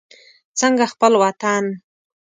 څنګه خپل وطن.